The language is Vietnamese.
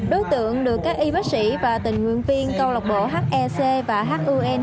đối tượng được các y bác sĩ và tình nguyện viên câu lọc bộ hec và hun